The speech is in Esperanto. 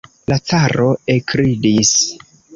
La caro ekridis.